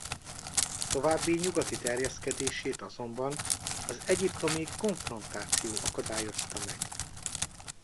További nyugati terjeszkedését azonban az egyiptomi konfrontáció akadályozta meg.